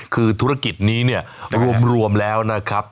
คือธุรกิจนี้เนี่ยรวมแล้วนะครับ